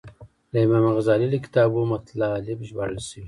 له امام غزالي له کتابو مطالب ژباړل شوي.